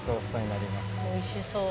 おいしそう。